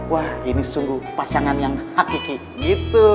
wah ini sungguh pasangan yang hakiki gitu